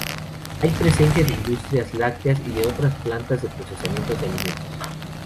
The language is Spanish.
Hay presencia de industrias lácteas y de otras plantas de procesamiento de alimentos.